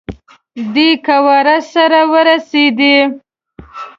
دی قواوو سره ورسېدی.